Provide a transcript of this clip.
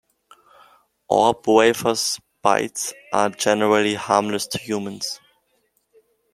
Orb-weavers' bites are generally harmless to humans.